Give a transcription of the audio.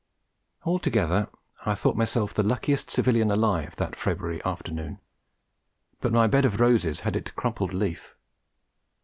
Altogether I thought myself the luckiest civilian alive that February afternoon; but my bed of roses had its crumpled leaf.